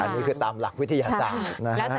อันนี้คือตามหลักวิทยาศาสตร์นะฮะ